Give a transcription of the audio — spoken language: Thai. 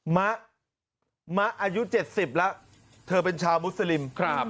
มะมะอายุ๗๐แล้วเธอเป็นชาวมุสลิม